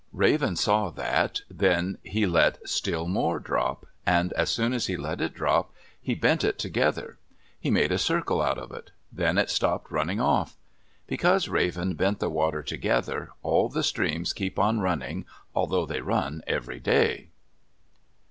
Raven saw that. Then he let still more drop, and as soon as he let it drop he bent it together. He made a circle out of it; then it stopped running off. Because Raven bent the water together, all the streams keep on running, although they run every day.